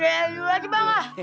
makan dulu aja bang